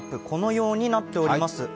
このようになっております。